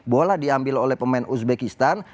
bola diambil oleh pemain uzbekistan